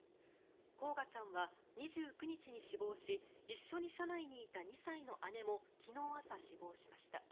煌翔ちゃんは２９日に死亡し一緒に車内にいた２歳の姉も昨日朝、死亡しました。